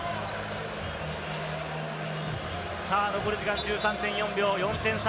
残り時間１３．４秒、４点差。